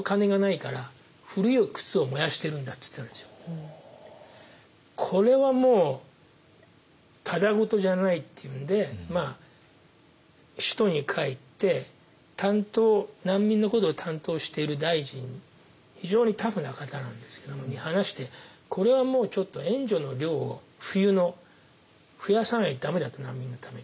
もうこれはもうただごとじゃないっていうんで首都に帰って難民のことを担当している大臣非常にタフな方なんですけどもに話してこれはもうちょっと援助の量を冬の増やさないと駄目だと難民のために。